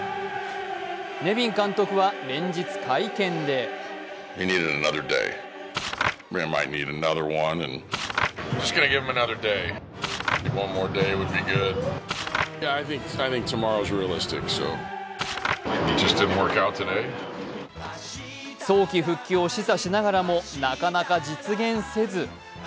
ネビン監督は連日、会見で早期復帰を示唆しながらもなかなか実現せず。